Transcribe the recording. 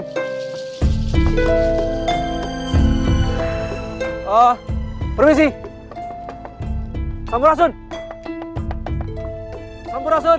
permisi kamu langsung sampai langsung